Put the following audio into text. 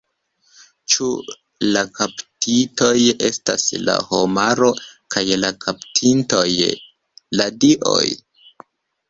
Ĉu la kaptitoj estas la homaro kaj la kaptintoj la dioj?